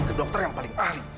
ke dokter yang paling ahli